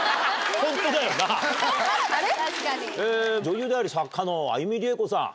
女優であり作家の歩りえこさん。